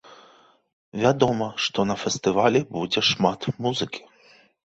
Вядома, што на фестывалі будзе шмат музыкі.